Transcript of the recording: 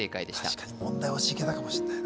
確かに問題押しいけたかもしれないな